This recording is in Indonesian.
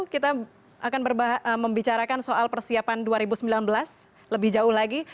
kita akan membicarakan soal persiapan dua ribu sembilan belas lebih jauh lagi